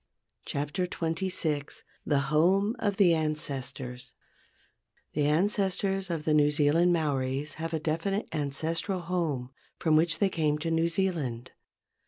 26 o DESCRIPTION THE HOME OF THE ANCESTORS The ancestors of the New Zealand Maoris have a definite ancestral home from which they came to New Zealand.